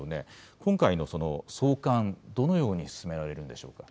今回の送還、どのように進められるんでしょうか。